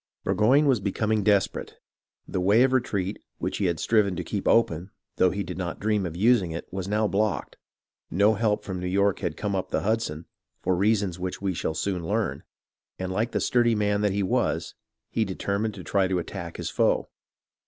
Burgoyne was becoming desperate. The way of retreat, which he had striven to keep open, though he did not dream of using it, was now blocked, no help from New York had come up the Hudson (for reasons which we shall soon learn), and like the sturdy man that he was, he deter mined to try to attack his foe.